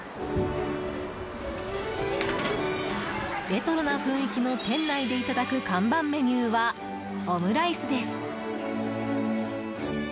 レトロな雰囲気の店内でいただく看板メニューはオムライスです。